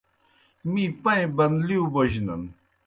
می پائیں بنلِیؤ بوجنَن۔